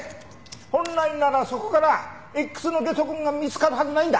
本来ならそこからＸのゲソ痕が見つかるはずないんだ。